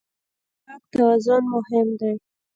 د واک توازن مهم دی.